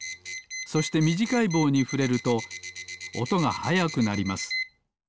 そしてみじかいぼうにふれるとおとがはやくなります。